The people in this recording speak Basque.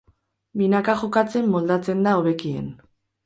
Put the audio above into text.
Binaka jokatzen moldatzen da hobekien.